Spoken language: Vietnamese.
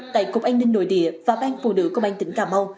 tại cục an ninh nội địa và ban phụ nữ của ban tỉnh cà mau